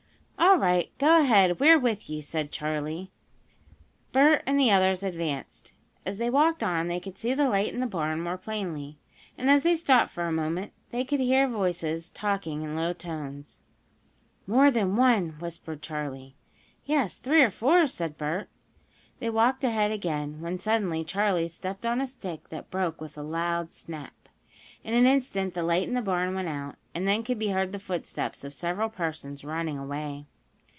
"All right go ahead we're with you," said Charley. Bert and the others advanced. As they walked on they could see the light in the barn more plainly. And, as they stopped for a moment they could hear voices talking in low tones. "More than one," whispered Charley. "Yes, three or four," said Bert. They walked ahead again, when suddenly Charley stepped on a stick that broke with a loud snap. In an instant the light in the barn went out, and then could be heard the footsteps of several persons running away.